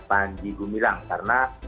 panji gumilang karena